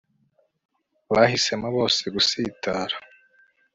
bahisemo bose gusitara